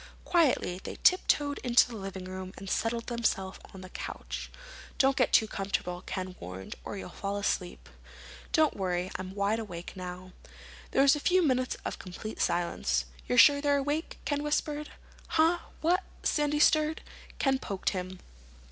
Quietly they tiptoed into the living room and settled themselves on the couch. "Don't get too comfortable," Ken warned, "or you'll fall asleep." "Don't worry. I'm wide awake now." There was a few minutes of complete silence. "You're sure you're awake?" Ken whispered. "Huh? What?" Sandy stirred. Ken poked him.